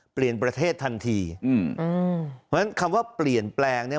เปลี่ยนประเทศทันทีอืมอืมเพราะฉะนั้นคำว่าเปลี่ยนแปลงเนี้ย